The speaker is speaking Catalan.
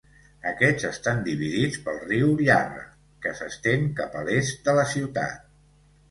Aquests estan dividits pel riu Yarra, que s'estén cap a l'est de la ciutat.